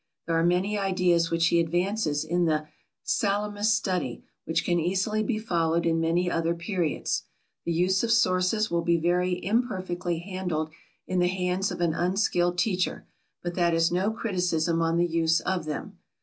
There are many ideas which he advances in the "Salamis" study which can easily be followed in many other periods. The use of sources will be very imperfectly handled in the hands of an unskilled teacher, but that is no criticism on the use of them.